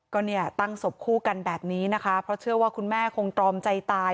ก็เนี่ยตั้งศพคู่กันแบบนี้นะคะเพราะเชื่อว่าคุณแม่คงตรอมใจตาย